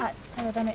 駄目。